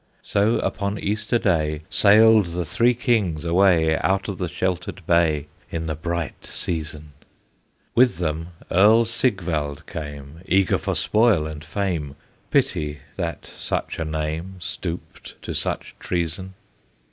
So upon Easter day Sailed the three kings away, Out of the sheltered bay, In the bright season; With them Earl Sigvald came, Eager for spoil and fame; Pity that such a name Stooped to such treason!